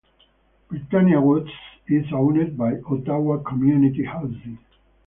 Britannia Woods is owned by Ottawa Community Housing.